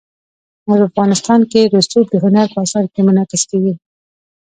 افغانستان کې رسوب د هنر په اثار کې منعکس کېږي.